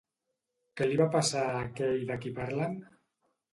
Què li va passar a aquell de qui parlen?